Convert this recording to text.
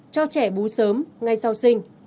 cho trẻ bú sớm ngay sau sinh